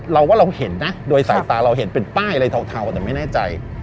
เราว่าเราเห็นนะโดยสายตาเราเห็นเป็นป้ายอะไรเทาแต่ไม่แน่ใจ